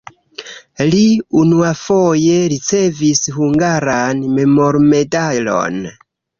Li unuafoje ricevis hungaran memormedalon.